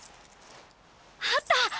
あった！